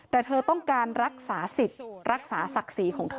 แต่เธอต้องการรักษาสิทธิ์รักษาศักดิ์ศรีของเธอ